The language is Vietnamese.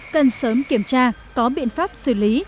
cần sớm kiểm tra có biện pháp xử lý